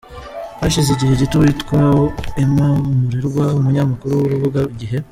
Hashize igihe gito uwitwa Emma Umurerwa, umunyamakuru w’urubuga igihe.